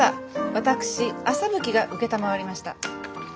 私麻吹が承りました。